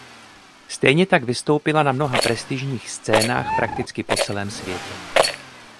Stejně tak vystoupila na mnoha prestižních scénách prakticky po celém světě.